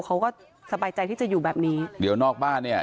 เขาก็สบายใจที่จะอยู่แบบนี้เดี๋ยวนอกบ้านเนี่ย